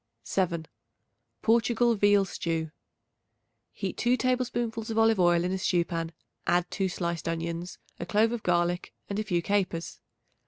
7. Portugal Veal Stew. Heat 2 tablespoonfuls of olive oil in a stew pan; add 2 sliced onions, a clove of garlic and a few capers.